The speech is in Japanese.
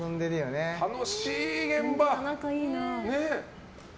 楽しい現場。